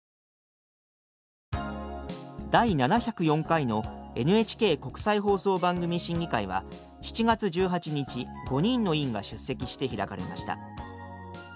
第７０４回のＮＨＫ国際放送番組審議会は７月１８日５人の委員が出席して開かれました。